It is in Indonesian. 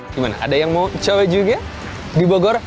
gimana ada yang mau coba juga di bogor